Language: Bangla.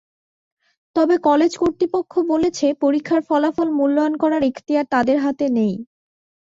তবে কলেজ কর্তৃপক্ষ বলেছে, পরীক্ষার ফলাফল মূল্যায়ন করার এখতিয়ার তাদের হাতে নেই।